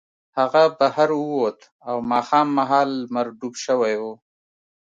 هغه بهر ووت او ماښام مهال لمر ډوب شوی و